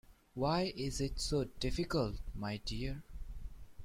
Why is it so difficult, my dear?